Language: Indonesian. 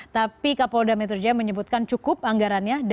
tapi kapolda metro jaya menyebutkan cukup anggarannya dan dananya